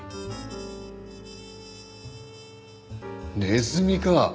ネズミか！